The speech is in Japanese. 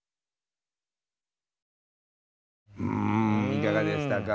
いかがでしたか？